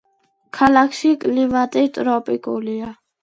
ქალაქში კლიმატი ტროპიკულია.